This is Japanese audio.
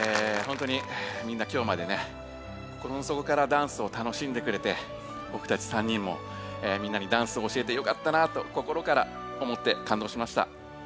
ほんとにみんなきょうまでね心のそこからダンスを楽しんでくれてぼくたち３人もみんなにダンスを教えてよかったなぁと心から思って感動しました。